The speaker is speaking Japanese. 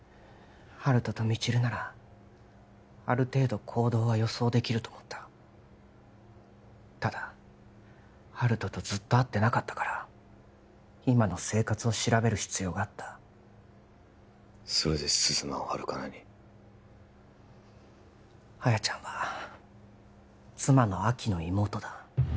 温人と未知留ならある程度行動は予想できると思ったただ温人とずっと会ってなかったから今の生活を調べる必要があったそれで鈴間をハルカナに亜矢ちゃんは妻の亜希の妹だ